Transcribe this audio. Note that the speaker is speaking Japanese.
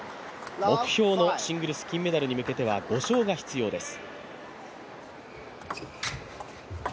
目標のシングルス金メダルに向けては５勝が必要です。